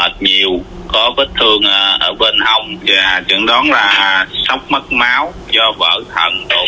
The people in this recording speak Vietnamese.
theo dõi thùng tạng rỗng vết thương đứt gân ngón hai chân phải